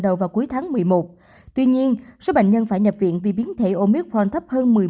đầu vào cuối tháng một mươi một tuy nhiên số bệnh nhân phải nhập viện vì biến thể omic ron thấp hơn một mươi một